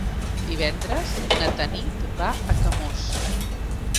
Divendres na Tanit va a Camós.